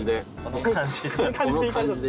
この感じで。